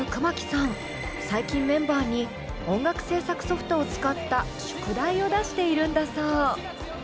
最近メンバーに音楽制作ソフトを使った宿題を出しているんだそう。